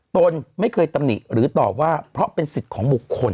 ตนไม่เคยตำหนิหรือตอบว่าเพราะเป็นสิทธิ์ของบุคคล